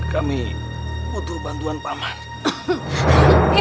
kami butuh bantuan pak mantabib